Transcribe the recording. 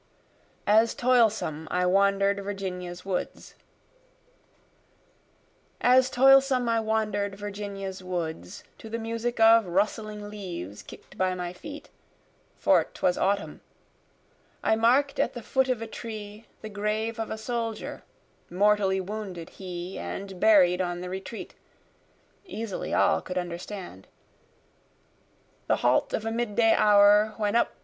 As Toilsome I Wander'd Virginia's Woods As toilsome I wander'd Virginia's woods, To the music of rustling leaves kick'd by my feet, (for 'twas autumn,) I mark'd at the foot of a tree the grave of a soldier; Mortally wounded he and buried on the retreat, (easily all could understand,) The halt of a mid day hour, when up!